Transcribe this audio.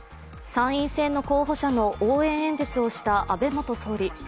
参院選の候補者の応援演説をした安倍元総理。